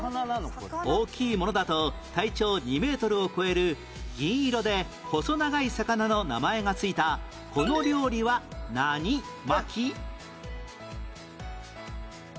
大きいものだと体長２メートルを超える銀色で細長い魚の名前がついたこの料理は何巻？